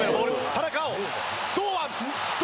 田中碧堂